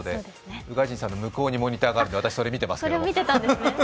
宇賀神さんの向こうにモニターがあるので今、見ているんですけれども。